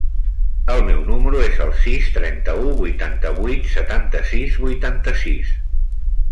El meu número es el sis, trenta-u, vuitanta-vuit, setanta-sis, vuitanta-sis.